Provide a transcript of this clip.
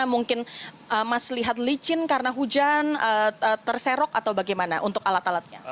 mungkin mas lihat licin karena hujan terserok atau bagaimana untuk alat alatnya